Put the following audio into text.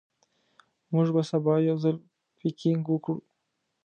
موږ به سبا یو ځای پکنیک وکړو.